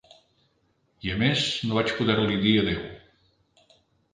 I a més no vaig poder-li dir adéu.